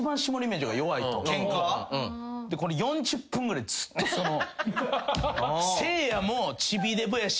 これ４０分ぐらいずっとその。